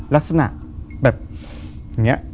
ลักษณะแบบอย่างนี้